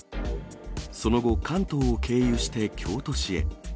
その後、関東を経由して京都市へ。